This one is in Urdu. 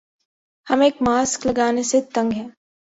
ہم ایک ماسک لگانے سے تنگ ہیں